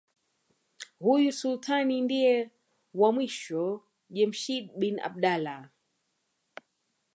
Huyu Sultani ndiye was mwisho Jemshid bin abdalla